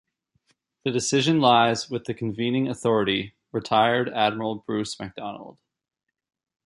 The decision lies with the Convening authority, retired Admiral Bruce MacDonald.